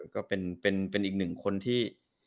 ก็เป็นอีกหนึ่งคนที่